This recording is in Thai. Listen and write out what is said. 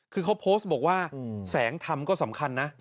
คือเขาโพสต์บอกว่าแสงธรรมก็สำคัญนะ